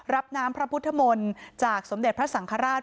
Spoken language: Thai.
รับน้ำพระพุทธมนต์จากสมเด็จพระสังฆราช